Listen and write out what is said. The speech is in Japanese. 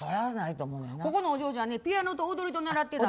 ここのお嬢ちゃんピアノと踊りをずっと習ってたの。